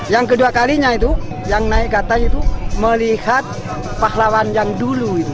yang kedua kalinya itu yang naik kata itu melihat pahlawan yang dulu